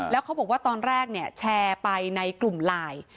แล้วเขาบอกว่าตอนแรกเนี่ยแชร์ไปในกลุ่มไลน์